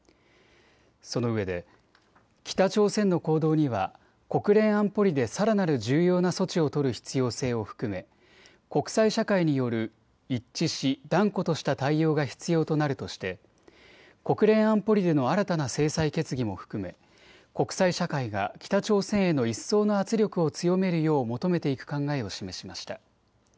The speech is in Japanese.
そのうえで北朝鮮の行動には国連安保理でさらなる重要な措置を取る必要性を含め国際社会による一致し断固とした対応が必要となるとして国連安保理での新たな制裁決議も含め国際社会が北朝鮮への一層の圧力を強めるよう求めていく考えを示しました。